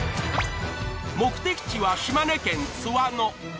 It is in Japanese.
目的地は島根県津和野。